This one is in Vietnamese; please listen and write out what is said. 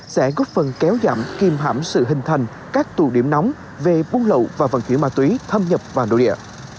sẽ góp phần kéo giảm kìm hãm sự hình thành các tù điểm nóng về buôn lậu và vận chuyển ma túy thâm nhập vào nội địa